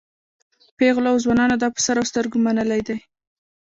پېغلو او ځوانانو دا په سر او سترګو منلی دی.